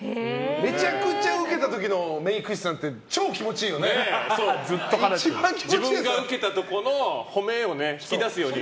めちゃくちゃウケた時のメイク室なんて自分がウケたとこの褒めを聞き出すように。